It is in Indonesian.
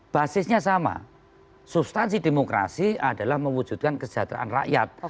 basisnya sama substansi demokrasi adalah mewujudkan kesejahteraan rakyat